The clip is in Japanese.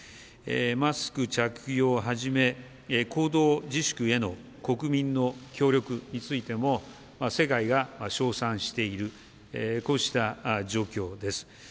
マスク着用をはじめ、行動自粛への国民の協力についても、世界が称賛している、こうした状況です。